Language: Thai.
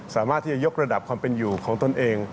สามารถที่จะยกระดับความเป็นอยู่ของตนเอง